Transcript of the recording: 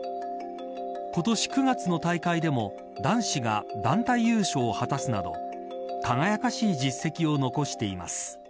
今年９月の大会でも男子が団体優勝を果たすなど輝かしい実績を残しています。